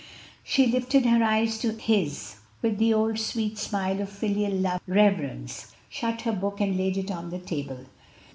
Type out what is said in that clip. She lifted her eyes to his with the old sweet smile of filial love and reverence, shut her book and laid it on the table.